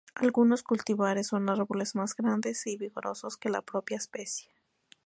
Algunos cultivares son árboles más grandes y vigorosos que la propia especie.